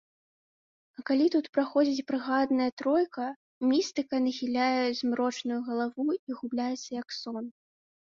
А калі тут праходзіць брыгадная тройка, містыка нахіляе змрочную галаву і губляецца, як сон.